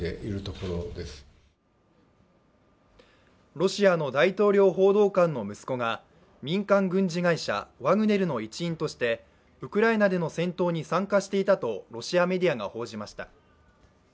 ロシアの大統領報道官の息子が民間軍事会社ワグネルの一員としてウクライナでの戦闘に参加していたとロシアメディアが報じました。